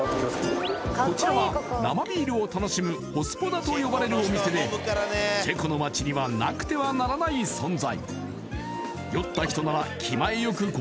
こちらは生ビールを楽しむホスポダと呼ばれるお店でチェコの街にはなくてはならない存在